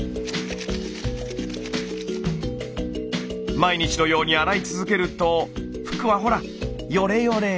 毎日のように洗い続けると服はほらよれよれ。